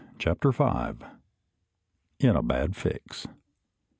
CHAPTER FIVE. IN A BAD FIX.